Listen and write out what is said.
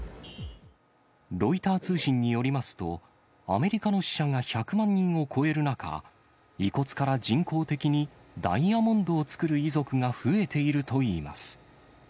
ロイター通信によりますと、アメリカの死者が１００万人を超える中、遺骨から人工的にダイヤモンドを作る遺族が増えているといいます。